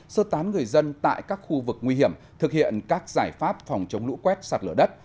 sơ tán người dân tại các khu vực nguy hiểm thực hiện các giải pháp phòng chống lũ quét sạt lở đất